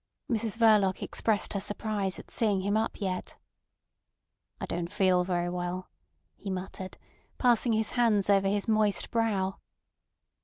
Mrs Verloc expressed her surprise at seeing him up yet. "I don't feel very well," he muttered, passing his hands over his moist brow.